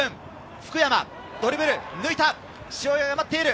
福山がドリブルで抜いた。